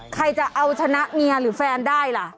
ใครจะเอาชนะเมียหรือแฟนได้ล่ะ